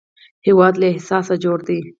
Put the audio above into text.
هېواد له احساس جوړ دی